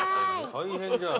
◆大変じゃん。